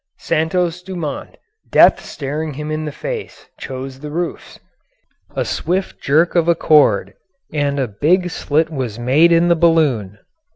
Santos Dumont, death staring him in the face, chose the roofs. A swift jerk of a cord, and a big slit was made in the balloon.